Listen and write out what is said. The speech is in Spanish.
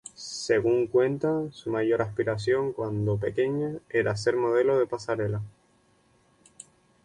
Según cuenta, su mayor aspiración cuando pequeña era ser modelo de pasarela.